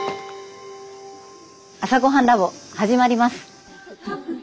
「朝ごはんＬａｂ．」始まります。